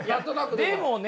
でもね！